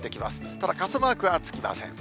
ただ、傘マークはつきません。